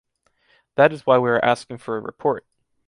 That is why we are asking for a report.